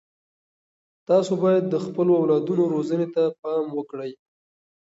تاسو باید د خپلو اولادونو روزنې ته پام وکړئ.